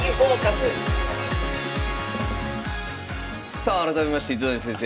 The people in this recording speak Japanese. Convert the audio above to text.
さあ改めまして糸谷先生。